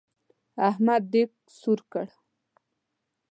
احمد دېګ سور کړ.